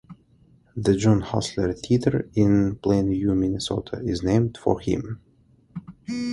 The Jon Hassler Theater in Plainview, Minnesota, is named for him.